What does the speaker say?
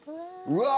うわ！